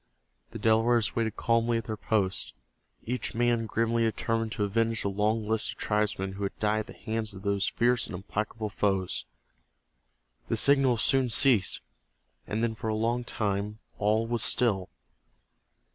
The Delawares waited calmly at their posts, each man grimly determined to avenge the long list of tribesmen who had died at the hands of those fierce and implacable foes. The signals soon ceased, and then for a long time all was still.